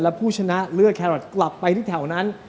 และผู้ชนะเลือกแครอทกลับไปที่แถวนั้น